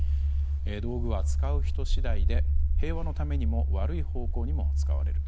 道具は使う人次第で平和のためにも悪い方向にも使われる。